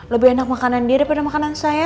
lebih enak makanan dia daripada makanan saya